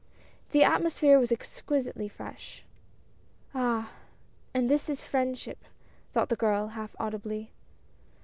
The atmosphere was exquisitely fresh. " And this is friendship !" thought the girl, half audibly.